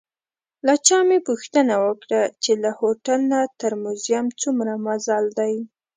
له چا مې پوښتنه وکړه چې له هوټل نه تر موزیم څومره مزل دی.